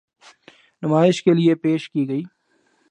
نمائش کے لیے پیش کی گئی۔